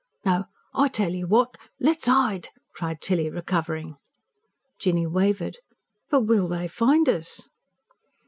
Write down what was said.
"No, I tell you what: let's 'ide!" cried Tilly, recovering. Jinny wavered. "But will they find us?"